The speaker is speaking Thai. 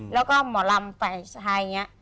แล้วก็หมอลำฝ่ายชายอย่างนี้